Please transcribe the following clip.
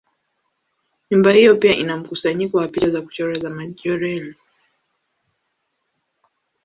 Nyumba hiyo pia ina mkusanyiko wa picha za kuchora za Majorelle.